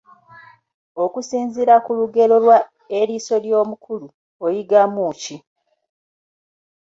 Okusinziira ku lugero lwa "Eriiso ly'omukulu" oyigamu ki.